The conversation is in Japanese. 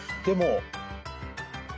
でも。